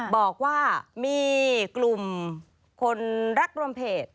บอกว่ามีกลุ่มคนรักรวมเพจ